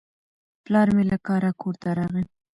پلار مې له کاره کور ته راغی.